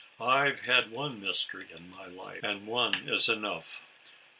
I've had one mystery in my life, and one is enough.